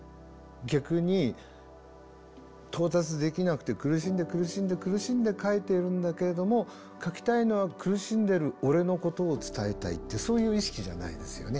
逆に到達できなくて苦しんで苦しんで苦しんで書いているんだけれども書きたいのは苦しんでる俺のことを伝えたいってそういう意識じゃないですよね。